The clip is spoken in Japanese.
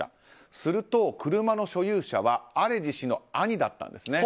すると、車の所有者はアレジ氏の兄だったんですね。